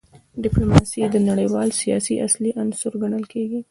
ډیپلوماسي د نړیوال سیاست اصلي عنصر ګڼل کېږي.